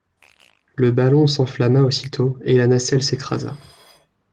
Le ballon s'enflamma aussitôt et la nacelle s'écrasa.